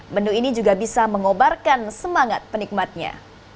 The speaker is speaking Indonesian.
menu ini juga bisa mengobarkan semangat penikmatnya